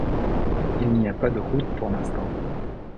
il n'y a pas de route pour l'instant